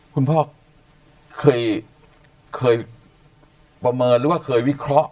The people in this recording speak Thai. คุณพ่อเคยประเมินหรือว่าเคยวิเคราะห์